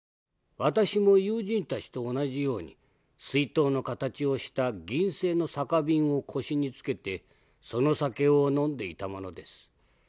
私も友人たちと同じように水筒の形をした銀製の酒瓶を腰につけてその酒を飲んでいたものです。